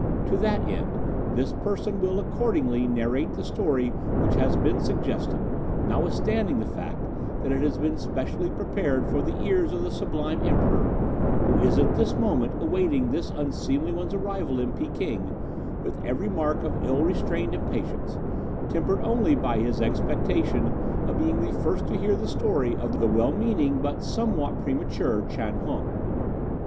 "To that end this person will accordingly narrate the story which has been suggested, notwithstanding the fact that it has been specially prepared for the ears of the sublime Emperor, who is at this moment awaiting this unseemly one's arrival in Peking with every mark of ill restrained impatience, tempered only by his expectation of being the first to hear the story of the well meaning but somewhat premature Chan Hung.